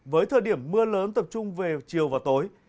với thời điểm mưa lớn tập trung về chiều và tối